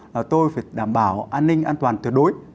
là tôi phải đảm bảo an ninh an toàn tuyệt đối